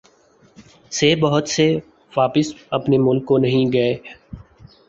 سے بہت سے واپس اپنے ملک کو نہیں گئے۔